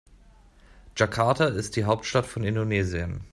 Jakarta ist die Hauptstadt von Indonesien.